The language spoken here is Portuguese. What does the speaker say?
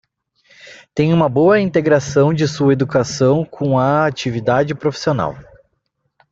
Tem uma boa integração de sua educação com a atividade profissional.